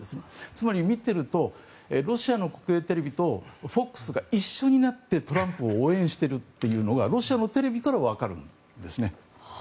つまり見てるとロシアの国営テレビとＦＯＸが一緒になってトランプを応援しているのがロシアのテレビから分かるんですね。